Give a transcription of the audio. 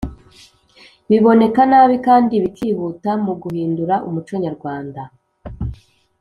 biboneka nabi kandi bikihuta muguhindura umuco nyarwanda.